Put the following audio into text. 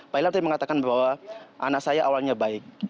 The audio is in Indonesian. pak ilham tadi mengatakan bahwa anak saya awalnya baik